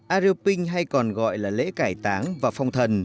ayrioping hay còn gọi là lễ cao